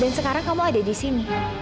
dan sekarang kamu ada di sini